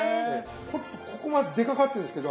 ここまで出かかってるんですけど